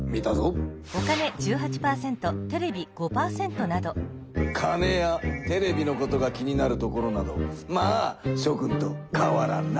フッ金やテレビのことが気になるところなどまあしょ君とかわらんな。